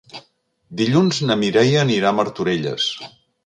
Dilluns na Mireia anirà a Martorelles.